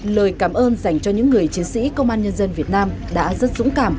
lời cảm ơn dành cho những người chiến sĩ công an nhân dân việt nam đã rất dũng cảm